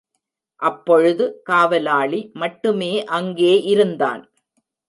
அப்பொழுது, காவலாளி மட்டுமே அங்கே இருந்தான்.